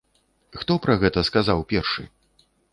Хто пра гэта сказаў першы?